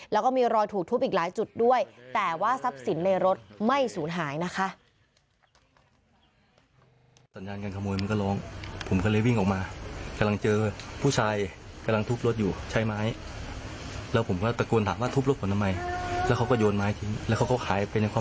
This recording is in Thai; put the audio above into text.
แล้วก็มีรอยถูกทุบอีกหลายจุดด้วยแต่ว่าทรัพย์สินในรถไม่สูญหายนะคะ